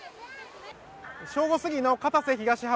正午過ぎの片瀬東浜